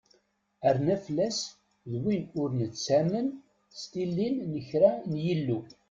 Arnaflas d win ur nettamen s tilin n kra n yillu.